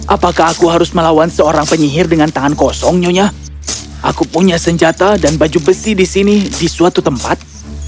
apakah aku harus melawan seorang penyihir dengan tangan kosong nyonya aku punya senjata dan baju besi di sini di suatu tempat